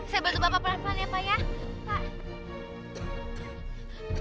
saya bantu bapak pelan pelan ya pak ya